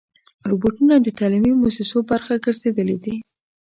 روبوټونه د تعلیمي مؤسسو برخه ګرځېدلي دي.